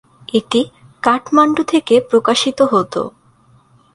এটি কাঠমান্ডু থেকে প্রকাশিত হতো।